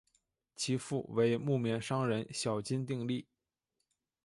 其父为木棉商人小津定利。